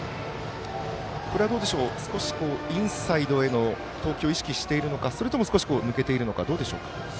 これは、少しインサイドへの投球を意識しているのかそれとも少し抜けているのかどうでしょう？